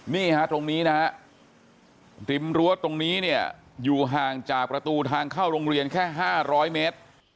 นี่ฮะตรงนี้นะฮะริมรั้วตรงนี้เนี่ยอยู่ห่างจากประตูทางเข้าโรงเรียนแค่๕๐๐เมตร